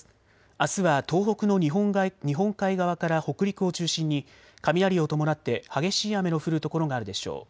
あすは東北の日本海側から北陸を中心に雷を伴って激しい雨の降る所があるでしょう。